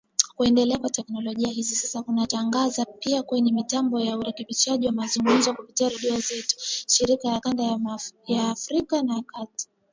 kuendelea kwa teknolojia hivi sasa tunatangaza pia kwenye mitambo ya urekebishaji wa mzunguko kupitia redio zetu,, shirika za kanda ya Afrika Mashariki na Kati.